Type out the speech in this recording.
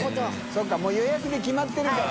そうか予約で決まってるから。